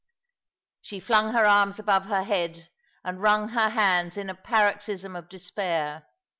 She flung her arms above her head and wrung her hands in a paroxysm of despair.